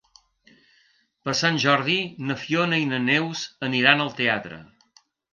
Per Sant Jordi na Fiona i na Neus aniran al teatre.